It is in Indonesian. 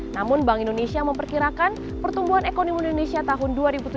namun bank indonesia memperkirakan pertumbuhan ekonomi indonesia tahun dua ribu tujuh belas